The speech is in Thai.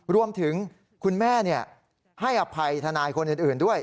รวมถึงคุณแม่เนี่ยให้อภัยทนายคนอื่นด้วย